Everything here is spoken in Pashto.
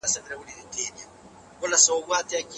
سرمايه ګذاري به د هېواد اقتصاد غښتلی کړي.